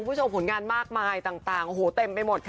ผู้ชมผลงานมากมายต่างเต็มไปหมด